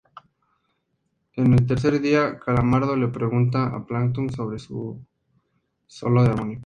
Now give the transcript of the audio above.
En el tercer día, Calamardo le pregunta a Plankton sobre su solo de armónica.